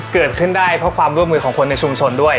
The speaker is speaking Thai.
เกิดขึ้นได้เพราะความร่วมมือของคนในชุมชนด้วย